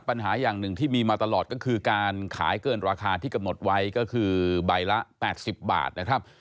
ปัญหาอย่างหนึ่งที่มีมาตลอดก็คือการขายเกินราคาที่กำหนดไว้ก็คือใบละ๘๐บาทนะครับ